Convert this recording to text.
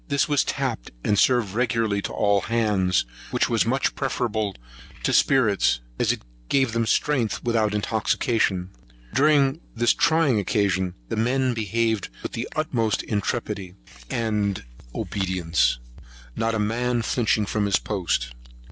This was tapped, and served regularly to all hands, which was much preferable to spirits, as it gave them strength without intoxication. During this trying occasion, the men behaved with the utmost intrepidity and obedience, not a man flinching from his post.